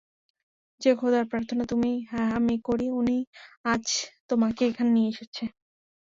যে খোদার প্রার্থনা তুমি আমি করি উনিই আজ তোমাকে এখানে নিয়ে এসেছে।